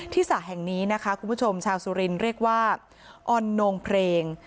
สระแห่งนี้นะคะคุณผู้ชมชาวสุรินทร์เรียกว่าออนโนงเพลง